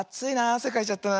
あせかいちゃったな。